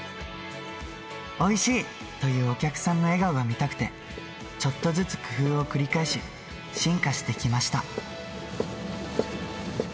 おいしい！というお客さんの笑顔が見たくて、ちょっとずつ工夫を繰り返し、進化してきました。